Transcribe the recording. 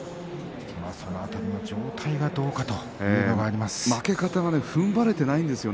その辺りの状態がどうかというのがあります。